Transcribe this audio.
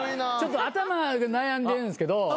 頭で悩んでるんですけど。